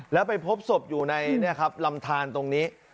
แล้วไปพบศพอยู่ในลำทานตรงนี้